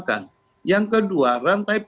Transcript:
pabrik sudah ada di rp satu